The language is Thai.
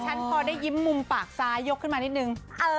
พอได้ยิ้มมุมปากซ้ายยกขึ้นมานิดนึง